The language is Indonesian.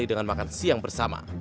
jangan makan siang bersama